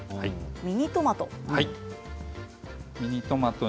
ミニトマト。